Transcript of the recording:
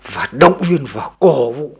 và động viên và cố vụ